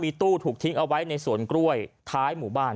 ตู้ถูกทิ้งเอาไว้ในสวนกล้วยท้ายหมู่บ้าน